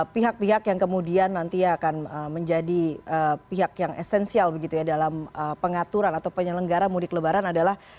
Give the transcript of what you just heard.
pihak pihak yang kemudian nanti akan menjadi pihak yang esensial begitu ya dalam pengaturan atau penyelenggara mudik lebaran adalah